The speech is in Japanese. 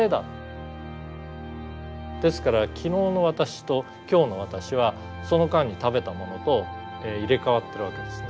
ですから昨日の私と今日の私はその間に食べたものと入れ代わってるわけですね。